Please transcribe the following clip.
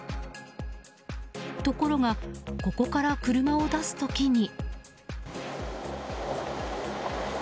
ところが、ここから車を出す時に。